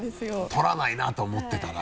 取らないなとは思ってたら。